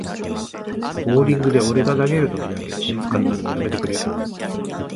ボーリングで俺が投げるときだけ静かになるのやめてくれ